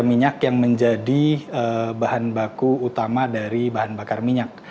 minyak yang menjadi bahan baku utama dari bahan bakar minyak